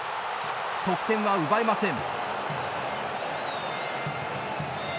得点は奪えません。